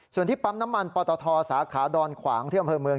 ส่วนที่ปั๊มน้ำมันปตทสาขาดอนขวางที่อำเภอเมือง